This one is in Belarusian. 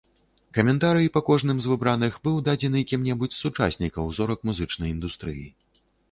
Каментарый па кожным з выбраных быў дадзены кім-небудзь з сучаснікаў зорак музычнай індустрыі.